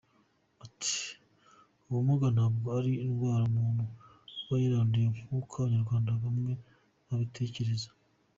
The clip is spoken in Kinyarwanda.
Ati “Ubumuga ntabwo ari indwara umuntu aba yaranduye nk’uko Abanyarwanda bamwe babitekereza.